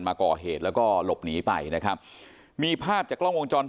มาก่อเหตุแล้วก็หลบหนีไปนะครับมีภาพจากกล้องวงจรป